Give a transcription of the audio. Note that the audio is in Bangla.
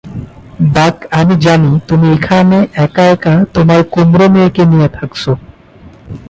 বাক, আমি জানি তুমি এখানে একা একা তোমার কুমড়ো মেয়েকে নিয়ে থাকছো।